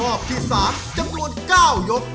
รอบที่๓จำนวน๙ยก